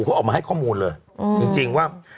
เขาออกมาให้ข้อมูลเลยจริงว่า